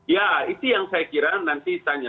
ya itu yang saya kira nanti tanya